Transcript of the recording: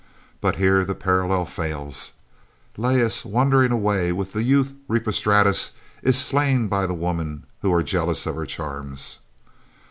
But here the parallel: fails. Lais, wandering away with the youth Rippostratus, is slain by the women who are jealous of her charms.